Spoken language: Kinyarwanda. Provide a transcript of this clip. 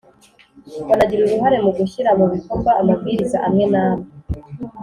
banagira uruhare mu gushyira mu bikorwa amabwiriza amwe n'amwe: